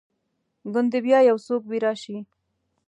ګوندي بیا یو څوک وي راشي